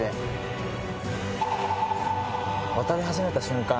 渡り始めた瞬間